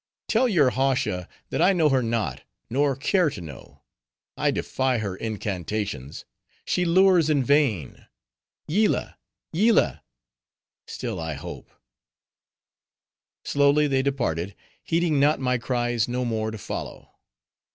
"Tell your Hautia, that I know her not; nor care to know. I defy her incantations; she lures in vain. Yillah! Yillah! still I hope!" Slowly they departed; heeding not my cries no more to follow.